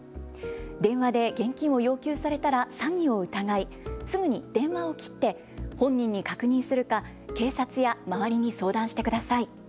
電話で現金を要求されたら詐欺を疑い、すぐに電話を切って本人に確認するか警察や周りに相談してください。